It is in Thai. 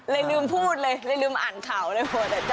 ลืมพูดเลยเลยลืมอ่านข่าวเลย